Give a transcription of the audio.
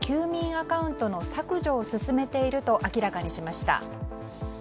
アカウントの削除を進めていると明らかにしました。